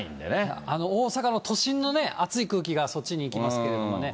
大阪の都心のね、あつい空気がそっちにいきますけれどもね。